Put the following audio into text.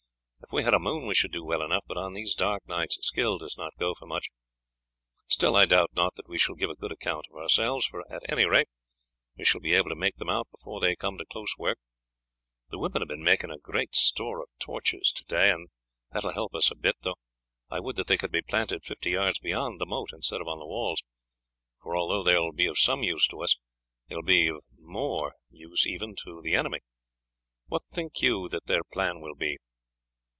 If we had a moon we should do well enough, but on these dark nights skill does not go for much; still, I doubt not that we shall give a good account of ourselves, for at any rate we shall be able to make them out before they come to close work. The women have been making a great store of torches to day, and that will help us a bit, though I would that they could be planted fifty yards beyond the moat instead of on the walls, for although they will be of some use to us they will be of even more to the enemy. What think you that their plan will be?"